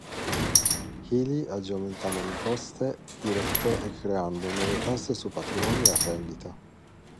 Healey agì aumentando le imposte dirette e creando nuove tasse su patrimoni e rendite.